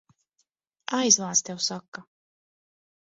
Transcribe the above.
Aizvāc, tev saka!